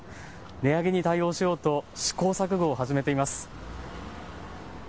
値上げに対応しようと試行錯誤を始めています。